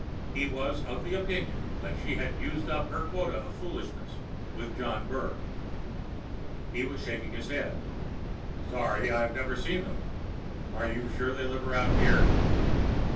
He was of the opinion that she had used up her quota of foolishness with John Burr. He was shaking his head. "Sorry, I've never seen them. Are you sure they live around here?"